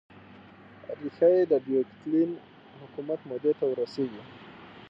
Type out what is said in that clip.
ریښه یې د ډیوکلتین حکومت مودې ته ور رسېږي.